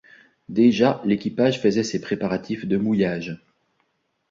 Déjà l’équipage faisait ses préparatifs de mouillage.